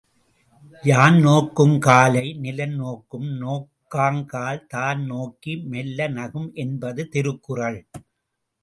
யான் நோக்குங் காலை நிலன்நோக்கும் நோக்காக்கால் தான்நோக்கி மெல்ல நகும். என்பது திருக்குறள்.